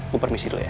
gue permisi dulu ya